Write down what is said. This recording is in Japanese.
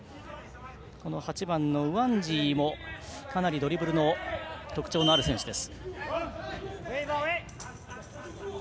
８番のウワンジもかなりドリブルに特徴のある選手です。